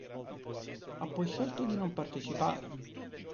Ha poi scelto di non partecipare.